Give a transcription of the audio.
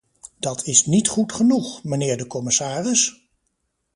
Dat is niet goed genoeg, mijnheer de commissaris!